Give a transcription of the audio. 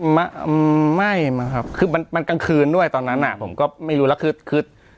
ไม่ครับคือมันกลางคืนด้วยตอนนั้นนะผมก็ไม่รู้แล้วคือ